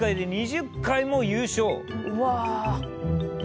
うわ。